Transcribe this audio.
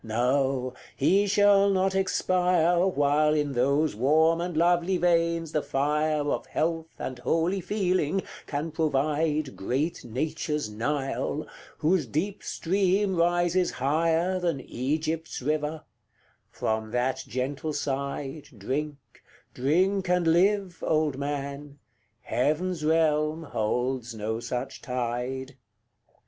No; he shall not expire While in those warm and lovely veins the fire Of health and holy feeling can provide Great Nature's Nile, whose deep stream rises higher Than Egypt's river: from that gentle side Drink, drink and live, old man! heaven's realm holds no such tide.